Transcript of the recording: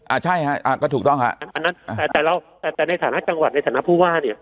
อ่าใช่ฮะอ่าก็ถูกต้องฮะอันนั้นแต่แต่เราแต่แต่ในฐานะจังหวัดในฐานะผู้ว่าเนี่ย